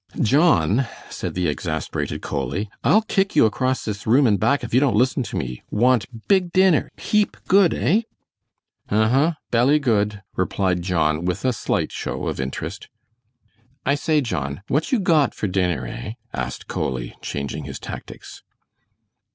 "John," said the exasperated Coley, "I'll kick you across this room and back if you don't listen to me. Want big dinner, heap good, eh?" "Huh huh, belly good," replied John, with a slight show of interest. "I say, John, what you got for dinner, eh?" asked Coley, changing his tactics.